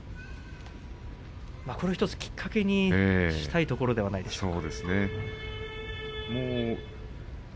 これ、１つきっかけにしたいところではないでしょうか。